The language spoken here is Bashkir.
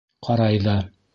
Ҡарай ҙа.